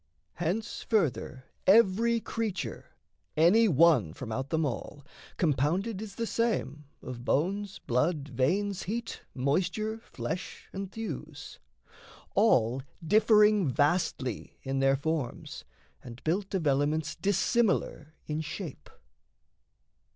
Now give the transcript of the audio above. Hence, further, every creature any one From out them all compounded is the same Of bones, blood, veins, heat, moisture, flesh, and thews All differing vastly in their forms, and built Of elements dissimilar in shape.